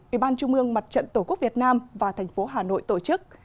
ủy ban trung ương mặt trận tổ quốc việt nam và thành phố hà nội tổ chức